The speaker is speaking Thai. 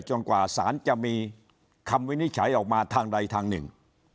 กว่าสารจะมีคำวินิจฉัยออกมาทางใดทางหนึ่ง